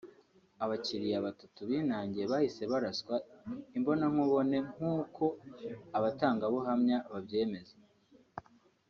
Abakiriya batatu binangiye bahise baraswa imbonankubone nk’uko abatangabuhamya babyemeza